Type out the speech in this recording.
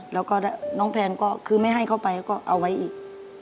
แล้วก็น้องแพนก็คือไม่ให้เขาไปก็เอาไว้อีก